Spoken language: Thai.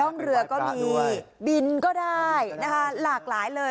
ร่องเรือก็มีบินก็ได้นะคะหลากหลายเลย